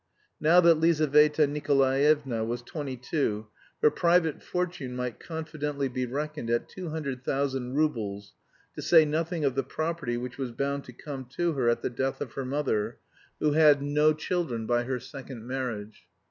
Now that Lizaveta Nikolaevna was twenty two her private fortune might confidently be reckoned at 200,000 roubles, to say nothing of the property which was bound to come to her at the death of her mother, who had no children by her second marriage.